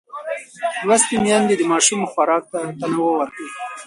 لوستې میندې د ماشوم خوراک ته تنوع ورکوي.